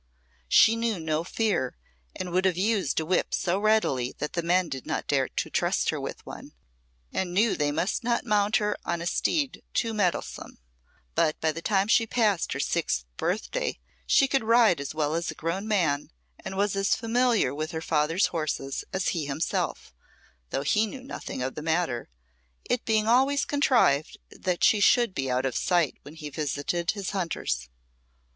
She knew no fear, and would have used a whip so readily that the men did not dare to trust her with one, and knew they must not mount her on a steed too mettlesome. By the time she passed her sixth birthday she could ride as well as a grown man, and was as familiar with her father's horses as he himself, though he knew nothing of the matter, it being always contrived that she should be out of sight when he visited his hunters.